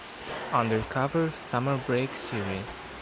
Undercover: Summer Break series.